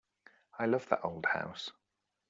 I love that old house.